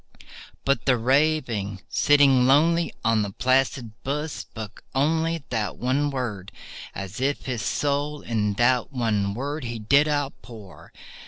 But the Raven, sitting lonely on that placid bust, spoke only That one word, as if his soul in that one word he did outpour.